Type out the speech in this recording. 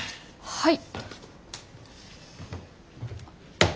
はい。